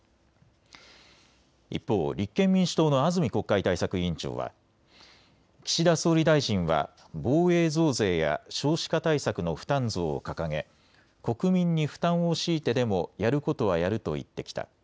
一方、立憲民主党の安住国会対策委員長は岸田総理大臣は防衛増税や少子化対策の負担増を掲げ国民に負担を強いてでもやることはやると言ってきた。